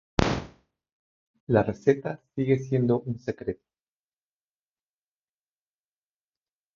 La receta sigue siendo un secreto.